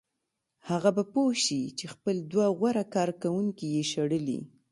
هغه به پوه شي چې خپل دوه غوره کارکوونکي یې شړلي